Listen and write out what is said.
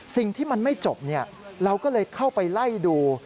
สิ่งที่มันไม่จบเราก็เลยเข้าไปไล่ดู